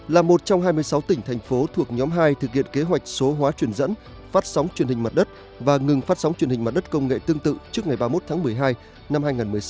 là một trong hai mươi sáu tỉnh thành phố thuộc nhóm hai thực hiện kế hoạch số hóa truyền dẫn phát sóng truyền hình mặt đất và ngừng phát sóng truyền hình mặt đất công nghệ tương tự trước ngày ba mươi một tháng một mươi hai năm hai nghìn một mươi sáu